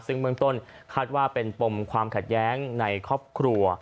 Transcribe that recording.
ซึ่งเมืองต้นคาดว่าเป็นปมความขัดแย้งในครอบครัว